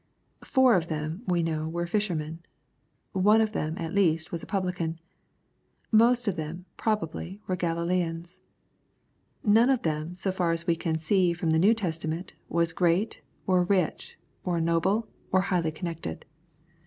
Four of them, we know, were fishermen. One of them, at least, was a publican. Most of them, pro bably, were Galileans. Not one of them, so far as we can see from the New Testament, was great, or rich, or noble, or highly connected.